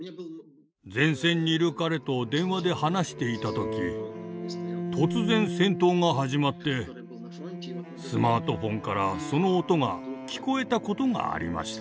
前線にいる彼と電話で話していた時突然戦闘が始まってスマートフォンからその音が聞こえたことがありました。